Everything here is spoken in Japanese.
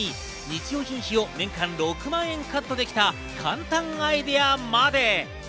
さらに、日用品を年間６万円カットできた、簡単アイデアまで。